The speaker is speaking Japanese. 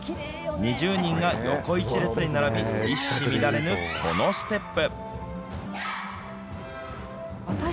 ２０人が横１列に並び一糸乱れぬ、このステップ。